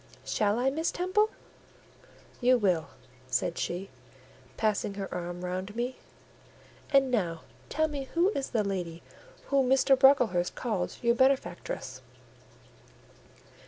"Shall I, Miss Temple?" "You will," said she, passing her arm round me. "And now tell me who is the lady whom Mr. Brocklehurst called your benefactress?"